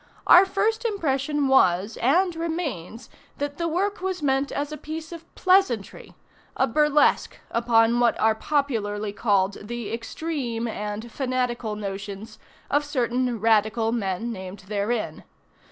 Our first impression was, and remains, that the work was meant as a piece of pleasantry a burlesque upon what are popularly called the extreme and fanatical notions of certain radical men named therein.